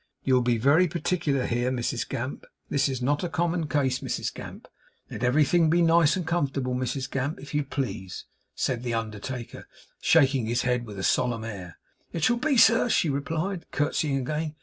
'You'll be very particular here, Mrs Gamp. This is not a common case, Mrs Gamp. Let everything be very nice and comfortable, Mrs Gamp, if you please,' said the undertaker, shaking his head with a solemn air. 'It shall be, sir,' she replied, curtseying again.